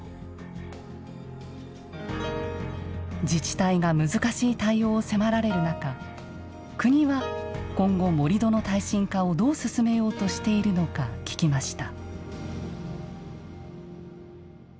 自治体が難しい対応を迫られる中国は今後盛土の耐震化をどう進めようとしているのか聞きました。